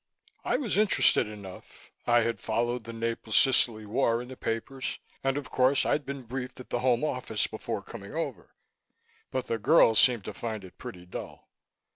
I was interested enough I had followed the Naples Sicily war in the papers and, of course, I'd been briefed at the Home Office before coming over but the girls seemed to find it pretty dull.